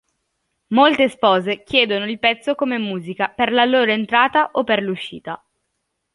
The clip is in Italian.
Molte spose chiedono il pezzo come musica per la loro entrata o per l'uscita.